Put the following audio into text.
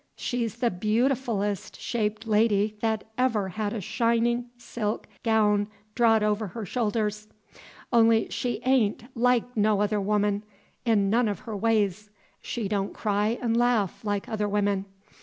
She's the beautifullest shaped lady that ever had a shinin' silk gown drawed over her shoulders. On'y she a'n't like no other woman in none of her ways. She don't cry 'n' laugh like other women.